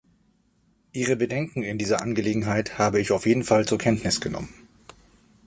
Ihre Bedenken in dieser Angelegenheit habe ich auf jeden Fall zur Kenntnis genommen.